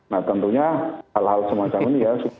nah tentunya hal hal semacam ini ya